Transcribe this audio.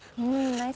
ナイス！